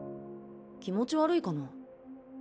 気持ち悪いかな？